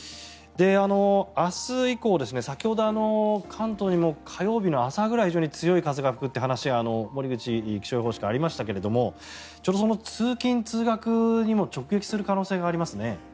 明日以降、先ほど関東にも火曜日の朝ぐらいに非常に強い風が吹くという話が森口気象予報士からありましたがちょうど通勤・通学にも直撃する可能性がありますね。